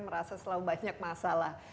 merasa selalu banyak masalah